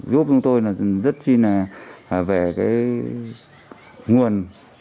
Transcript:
giúp chúng tôi là rất xin là vẻ cái nguồn